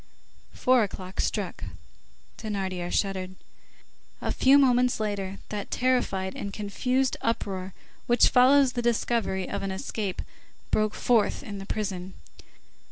Four o'clock struck. Thénardier shuddered. A few moments later, that terrified and confused uproar which follows the discovery of an escape broke forth in the prison.